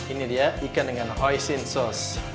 ini dia ikan dengan hoisin sauce